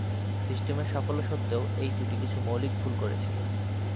সিস্টেমের সাফল্য সত্ত্বেও, এই জুটি কিছু মৌলিক ভুল করেছিল।